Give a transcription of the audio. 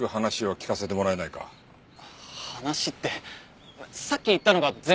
話ってさっき言ったのが全部で。